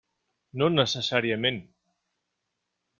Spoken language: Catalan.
No necessàriament.